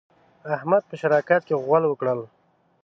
احمد په شراکت کې غول وکړل.